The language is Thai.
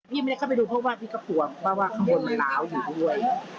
ไม่ได้เข้าไปดูเพราะว่าพี่ก็กลัวเพราะว่าข้างบนมันล้าวอยู่ด้วย